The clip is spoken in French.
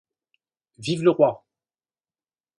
Vive le roi !